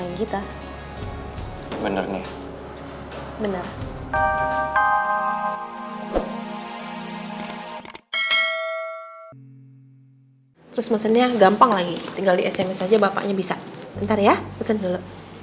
ntar ya mesen dulu